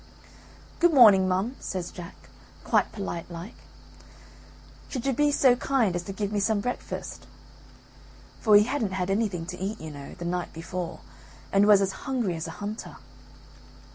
"Good morning, mum," says Jack, quite polite like. "Could you be so kind as to give me some breakfast." For he hadn't had anything to eat, you know, the night before and was as hungry as a hunter.